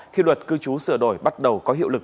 khi luật cư trú sửa đổi bắt đầu có hiệu lực